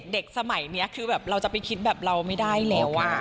เด็กสมัยเนี้ยคือแบบเราจะไปคิดแบบเราไม่ได้เลยอะ